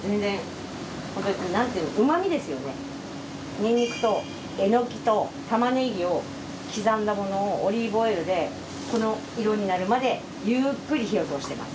ニンニクとエノキとタマネギを刻んだものをオリーブオイルでこの色になるまでゆっくり火を通してます。